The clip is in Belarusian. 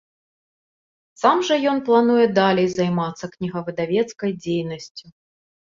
Сам жа ён плануе далей займацца кнігавыдавецкай дзейнасцю.